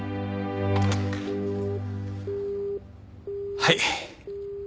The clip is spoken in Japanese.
はい。